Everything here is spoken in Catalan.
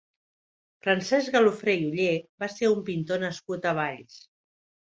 Francesc Galofré i Oller va ser un pintor nascut a Valls.